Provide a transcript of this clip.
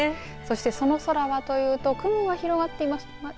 そしてその空はというと雲は広がっています。